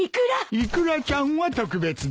イクラちゃんは特別だ。